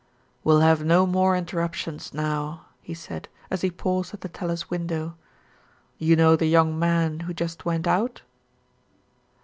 "We'll have no more interruptions now," he said, as he paused at the teller's window. "You know the young man who just went out?"